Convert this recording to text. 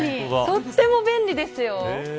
とっても便利ですよ。